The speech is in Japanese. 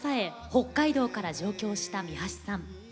北海道から上京した三橋さん。